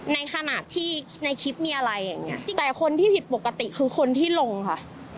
ในขณะที่ในคลิปมีอะไรอย่างเงี้ยแต่คนที่ผิดปกติคือคนที่ลงค่ะ